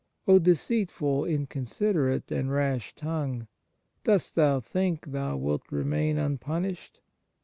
O deceitful, inconsider ate, and rash tongue ! Dost thou think thou wilt remain unpunished